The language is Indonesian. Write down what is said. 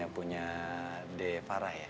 yang punya de farah ya